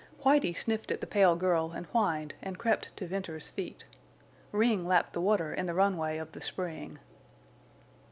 Whitie sniffed at the pale girl and whined and crept to Venters's feet. Ring lapped the water in the runway of the spring.